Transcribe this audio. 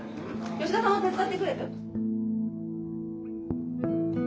吉田さんも手伝ってくれる？